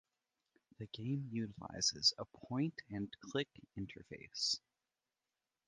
The game utilizes a point and click interface.